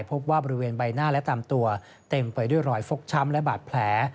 พบว่าบริเวณใบหน้าและตามตัวเต็มไปด้วยรอยฟกช้ำและบาดแผล